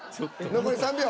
残り３秒。